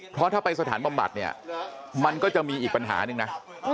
เพราะถ้าไปสถานบำบัดเนี่ยมันก็จะมีอีกปัญหาหนึ่งนะ